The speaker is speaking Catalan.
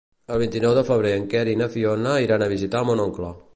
El vint-i-nou de febrer en Quer i na Fiona iran a visitar mon oncle.